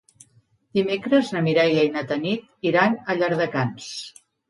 Dimecres na Mireia i na Tanit iran a Llardecans.